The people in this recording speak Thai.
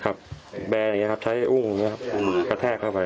แบร์อย่างนี้ครับใช้อุ้งอย่างนี้ครับกระแทกเข้าไป